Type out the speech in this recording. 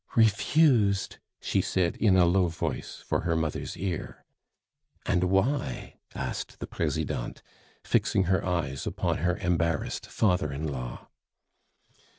"Refused!..." she said in a low voice for her mother's ear. "And why?" asked the Presidente, fixing her eyes upon her embarrassed father in law.